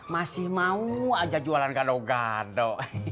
masih mau aja jualan gado gado